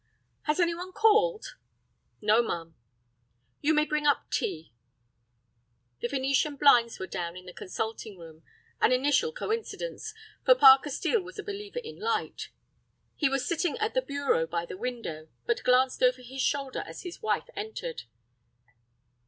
"Has any one called?" "No, ma'am." "You may bring up tea." The Venetian blinds were down in the consulting room, an initial coincidence, for Parker Steel was a believer in light. He was sitting at the bureau by the window, but glanced over his shoulder as his wife entered.